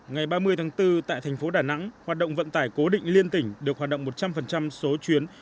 ngày ba mươi tháng bốn tại thành phố đà nẵng hoạt động vận tải cố định liên tỉnh được hoạt động một trăm linh số chuyến